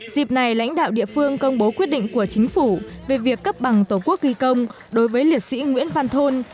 dịp này lãnh đạo địa phương công bố quyết định của chính phủ về việc cấp bằng tổ quốc ghi công đối với liệt sĩ nguyễn văn thôn